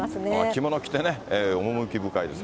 着物着てね、趣深いです。